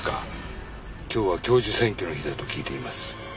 今日は教授選挙の日だと聞いています。